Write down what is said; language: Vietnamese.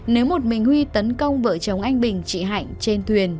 nếu một mình huy tấn công vợ chồng anh bình chị hạnh trên thuyền